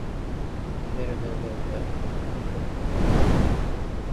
나는 지혜를 배우지 못하였고 또 거룩하신 자를 아는 지식이 없거니와